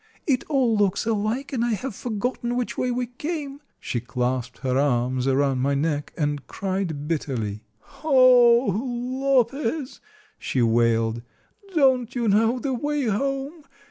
It all looks alike, and I have forgotten which way we came." She clasped her arms around my neck and cried bitterly. "Oh, Lopez!" she wailed, "don't you know the way home?